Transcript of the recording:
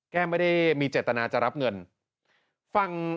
แก้มไม่ได้มีเจตนาจะรับเงิน